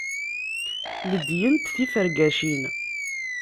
Ledyent tifergacin.